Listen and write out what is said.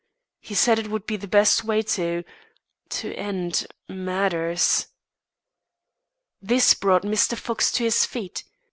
He said it would be the best way to to end matters." This brought Mr. Fox to his feet.